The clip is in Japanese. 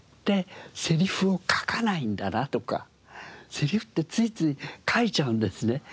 セリフってついつい書いちゃうんですね。